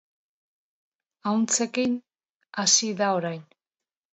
Ahuntzekin hasi da orain.